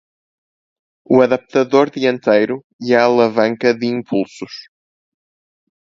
O adaptador dianteiro e a alavanca de impulsos